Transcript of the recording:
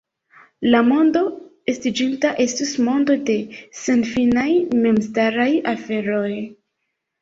La mondo estiĝinta estus mondo de senfinaj memstaraj aferoj.